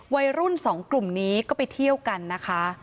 วัยรุ่นสองกลุ่มนี้ก็ไปเที่ยวกันนะคะ